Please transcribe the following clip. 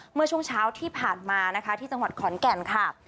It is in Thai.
เมื่อช่วงเช้าที่ผ่านมานะคะที่จังหวัดขอนแก่นค่ะ